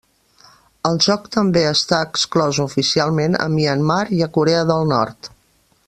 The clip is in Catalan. El joc també està exclòs oficialment a Myanmar i a Corea del Nord.